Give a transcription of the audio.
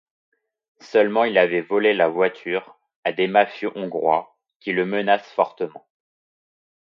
Seulement il avait volé la voiture à des mafieux hongrois qui le menacent fortement.